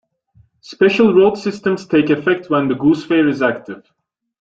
Special road systems take effect when the Goose Fair is active.